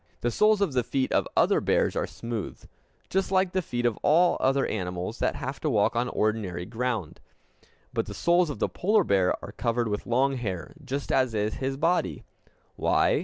The soles of the feet of other bears are smooth, just like the feet of all other animals that have to walk on ordinary ground. But the soles of the polar bear are covered with long hair, just as is his body. Why?